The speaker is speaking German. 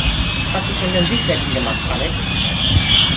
Hast du schon dein Seepferdchen gemacht, Alex?